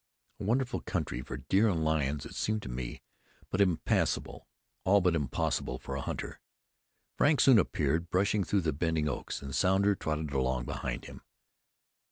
A wonderful country for deer and lions, it seemed to me, but impassable, all but impossible for a hunter. Frank soon appeared, brushing through the bending oaks, and Sounder trotted along behind him.